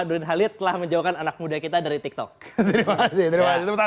nurdin halid telah menjauhkan anak muda kita dari tiktok terima kasih terima kasih